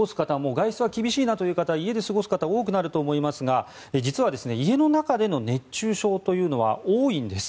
外出は厳しいなという方家で過ごす方多くなると思いますが実は家の中での熱中症というのは多いんです。